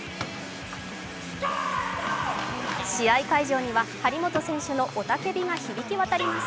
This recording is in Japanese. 試合会場には張本選手の雄たけびが響き渡ります。